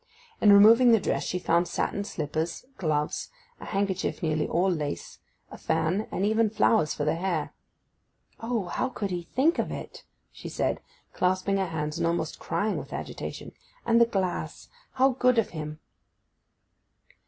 In removing the dress she found satin slippers, gloves, a handkerchief nearly all lace, a fan, and even flowers for the hair. 'O, how could he think of it!' she said, clasping her hands and almost crying with agitation. 'And the glass—how good of him!